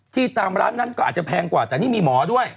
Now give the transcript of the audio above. ตามร้านนั้นก็อาจจะแพงกว่าแต่นี่มีหมอด้วย